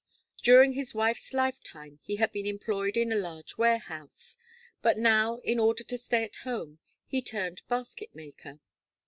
During his wife's lifetime, he had been employed in a large warehouse; but now, in order to stay at home, he turned basket maker.